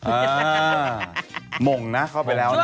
อ่าหม่งนะเข้าไปแล้วนะ